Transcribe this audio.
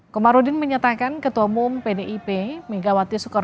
komarudin menyatakan ketua umum pdip megawati soekarno